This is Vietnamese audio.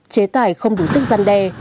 chế tải không đủ sức gian đe